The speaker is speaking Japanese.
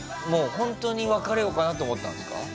もう本当に別れようかなと思ったんですか？